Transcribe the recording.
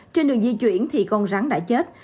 trên đường di chuyển thì con rắn đã chết